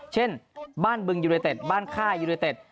เช่นบ้านบึงยูไนเต็ดบ้านค่ายยูเนเต็ด